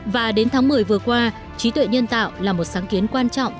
và đến tháng một mươi vừa qua trí tuệ nhân tạo là một sáng kiến quan trọng